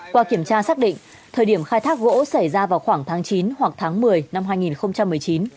qua kiểm tra xác định thời điểm khai thác gỗ xảy ra vào khoảng tháng chín hoặc tháng một mươi năm hai nghìn một mươi chín